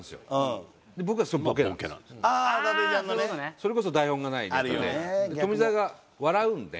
それこそ台本がないネタで。